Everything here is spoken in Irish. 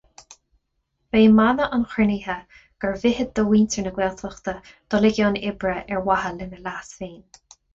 B'é manadh an chruinnithe gur mhithid do mhuintir na Gaeltachta dul i gcionn oibre ar mhaithe lena leas féin.